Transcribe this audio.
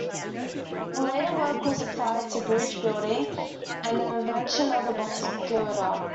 Later work was applied to bridge building, and the invention of the box girder.